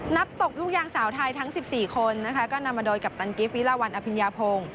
นับตกลูกยางสาวไทยทั้งสิบสี่คนนะคะก็นำมาโดยกัปตันกิฟต์วิลาวันอพิญญาโพง